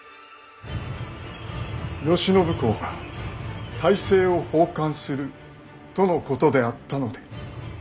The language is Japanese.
慶喜公が大政を奉還するとのことであったので。